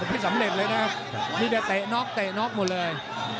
เตะน็อกหมดเลย